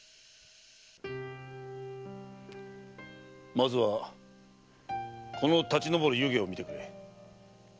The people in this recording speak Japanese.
まずはこの立ち上る湯気を見てくれ。